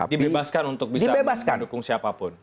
dibebaskan untuk bisa mendukung siapapun